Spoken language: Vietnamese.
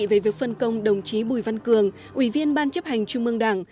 về việc phân công đồng chí bùi văn cường ủy viên ban chấp hành trung mương đảng